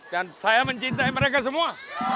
dan saya mencintai mereka semua